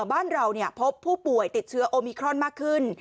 บ้านเราพบผู้ป่วยติดเชื้อโอมิครอนมากขึ้น